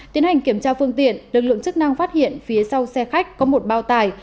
tiến hành kiểm tra phương tiện lực lượng chức năng phát hiện phía sau xe khách có một bao tải